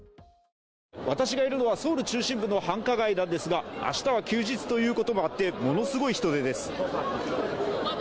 私がいるのはソウル中心部の繁華街なんですが、明日は休日ということもあって、ものすごい人出です。